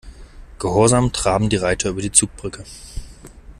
Gehorsam traben die Reiter über die Zugbrücke.